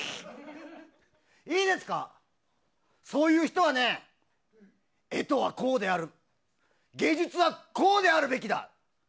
いいですか、そういう人はね絵とはこうである芸術とはこうであるべきだ！